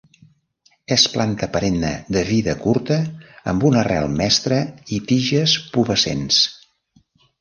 És planta perenne de vida curta amb una arrel mestra i tiges pubescents.